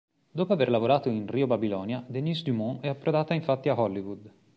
Dopo aver lavorato in "Rio Babilonia", Denise Dumont è approdata infatti a Hollywood.